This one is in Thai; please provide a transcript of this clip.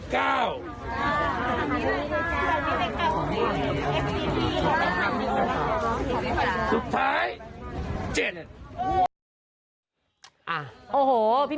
การที่๒